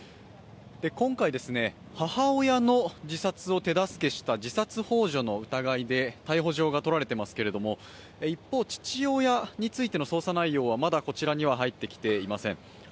今回、母親の自殺を手助けした自殺ほう助の疑いで逮捕状が取られていますけれど、一方、父親についての捜査内容はまだこちらには入ってきていません。